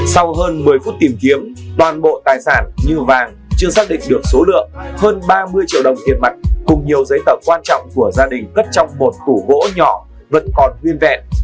sau hơn một mươi phút tìm kiếm toàn bộ tài sản như vàng chưa xác định được số lượng hơn ba mươi triệu đồng tiền mặt cùng nhiều giấy tờ quan trọng của gia đình cất trong một củ gỗ nhỏ vẫn còn nguyên vẹn